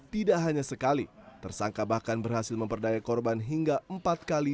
tidak hanya sekali tersangka bahkan berhasil memperdaya korban hingga empat kali